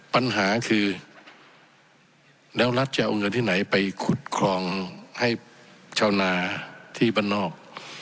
ปัญหาคือแล้วรัฐจะเอาเงินที่ไหนไปขุดครองให้ชาวนาที่บ้านนอก